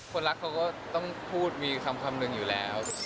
คนรักเขาก็ต้องพูดมีคำหนึ่งอยู่แล้ว